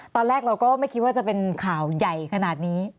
ตอนแรกเราก็ไม่คิดว่าจะเป็นข่าวใหญ่ขนาดนี้